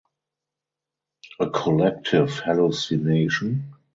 A collective hallucination?